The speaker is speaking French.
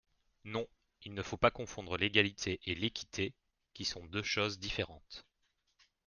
Non, il ne faut pas confondre l’égalité et l’équité, qui sont deux choses différentes.